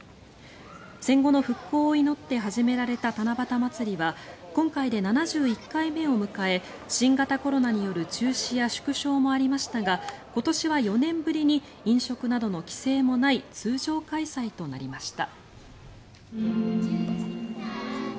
戦後の復興を祈って始められた七夕祭りは今回で７１回目を迎え新型コロナによる中止や縮小もありましたが今年は４年ぶりに飲食などの規制もない通常開催となりました。